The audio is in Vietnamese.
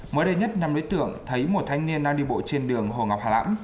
mới đây nhất năm đối tượng thấy một thanh niên đang đi bộ trên đường hồ ngọc hà lãn